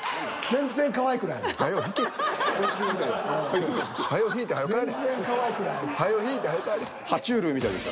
全然かわいくないあいつ。